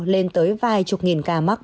lên tới vài chục nghìn ca mắc